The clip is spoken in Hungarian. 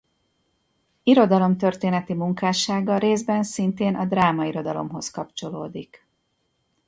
Irodalomtörténeti munkássága részben szintén a drámairodalomhoz kapcsolódik.